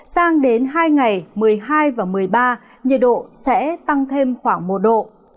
sang đến hai ngày một mươi hai và một mươi ba nhiệt độ sẽ tăng thêm khoảng một độ